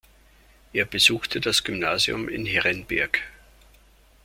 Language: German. Er besuchte das Gymnasium in Herrenberg.